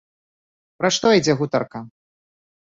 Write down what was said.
Пра што ідзе гутарка?